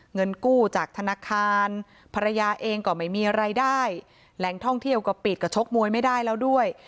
เงินกู้จากธนาคารภรรยาเองก็ไม่มีรายได้แหล่งท่องเที่ยวก็ปิดก็ชกมวยไม่ได้แล้วด้วย